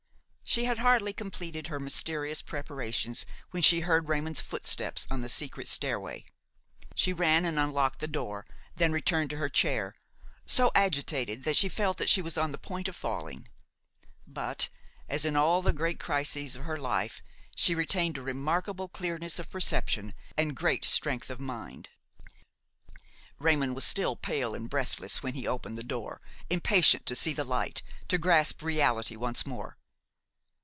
She had hardly completed her mysterious preparations when she heard Raymon's footsteps on the secret stairway. She ran and unlocked the door, then returned to her chair, so agitated that she felt that she was on the point of falling; but, as in all the great crises of her life, she retained a remarkable clearness of perception and great strength of mind. Raymon was still pale and breathless when he opened the door; impatient to see the light, to grasp reality once more.